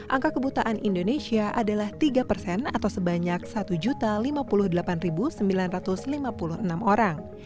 angka kebutaan indonesia adalah tiga atau sebanyak satu lima puluh delapan sembilan ratus lima puluh enam orang